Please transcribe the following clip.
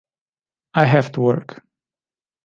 I have to work.